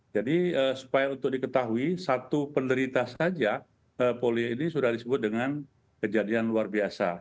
jadi supaya untuk diketahui satu penderita saja polio ini sudah disebut dengan kejadian luar biasa